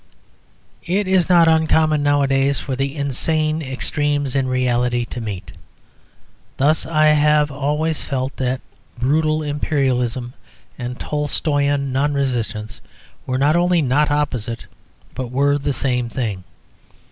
It is not uncommon nowadays for the insane extremes in reality to meet. Thus I have always felt that brutal Imperialism and Tolstoian non resistance were not only not opposite, but were the same thing.